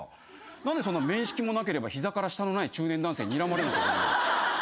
何でそんな面識もなければ膝から下のない中年男性ににらまれなきゃいけないの？